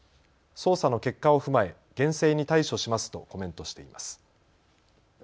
捜査の結果を踏まえ厳正に対処しますとコメントしています。